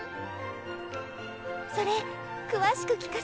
それ詳しく聞かせてくれない？